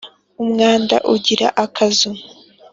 Umwanda ugira akazu.